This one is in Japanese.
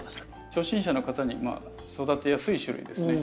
初心者の方にまあ育てやすい種類ですね。